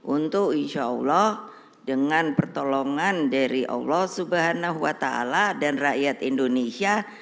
untuk insya allah dengan pertolongan dari allah swt dan rakyat indonesia